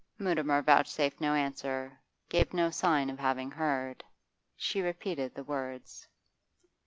Mutimer vouchsafed no answer, gave no sign of having heard. She repeated the words.